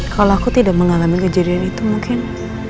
kalau aku tidak mengalami kejadian itu mungkin